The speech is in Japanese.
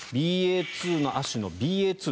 ＢＡ．２の亜種のＢＡ